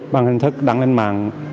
bằng hình thức đăng lên mạng